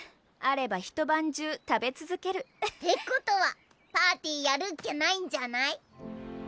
あれば一晩中食べ続ける。ってことはパーティーやるっきゃないんじゃない？